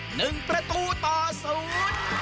หนึ่งประตูต่อสูตร